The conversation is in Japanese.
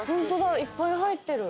いっぱい入ってる。